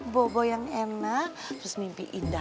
bawa boy yang enak terus mimpi indah